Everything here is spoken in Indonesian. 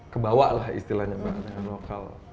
kebawah lah istilahnya dengan lokal